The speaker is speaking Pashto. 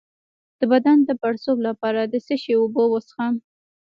د بدن د پړسوب لپاره د څه شي اوبه وڅښم؟